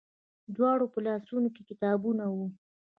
د دواړو په لاسونو کې کتابونه وو.